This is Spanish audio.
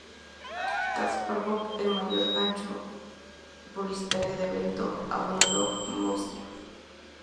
Kaspárov, el mayor gancho publicitario del evento, abandonó Murcia.